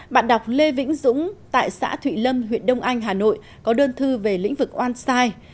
bạn đọc lê vĩnh dũng tại xã thụy lâm huyện đông anh hà nội có đơn thư về lĩnh vực oan sai